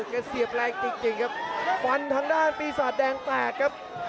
เสียบแรงจริงจริงครับฟันทางด้านปีศาจแดงแตกครับ